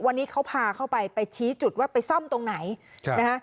วันนี้เขาพาเข้าไปไปชี้จุดว่าไปซ่อมตรงไหนนะฮะ